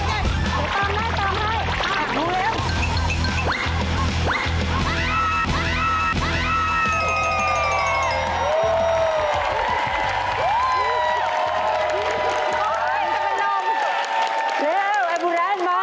ช่วยดู